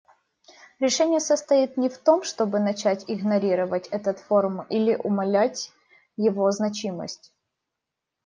Решение состоит не в том, чтобы начать игнорировать этот форум или умалять его значимость.